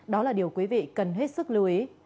đó là điều quý vị cần hết sức lưu ý